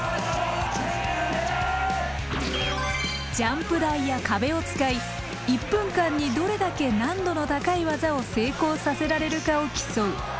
ジャンプ台や壁を使い１分間にどれだけ難度の高い技を成功させられるかを競う。